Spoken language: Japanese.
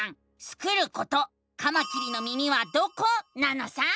スクること「カマキリの耳はどこ？」なのさ！